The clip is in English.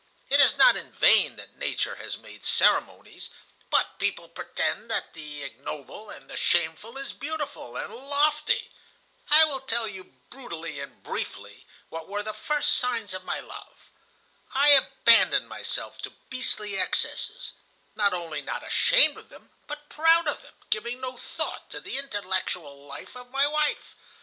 It is not in vain that nature has made ceremonies, but people pretend that the ignoble and the shameful is beautiful and lofty. "I will tell you brutally and briefly what were the first signs of my love. I abandoned myself to beastly excesses, not only not ashamed of them, but proud of them, giving no thought to the intellectual life of my wife.